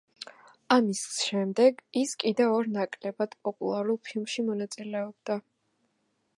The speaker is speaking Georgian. ამის შემდეგ ის კიდევ ორ ნაკლებად პოპულარულ ფილმში მონაწილეობდა.